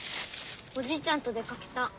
おじいちゃんと出かけた。